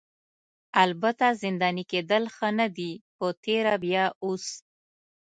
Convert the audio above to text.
البته زنداني کیدل ښه نه دي په تېره بیا اوس.